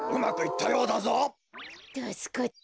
たすかった。